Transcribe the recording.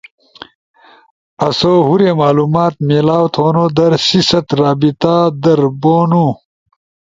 سو ہورے معلومات میلاؤ تھونو در سی ست رابطہ در بھونو۔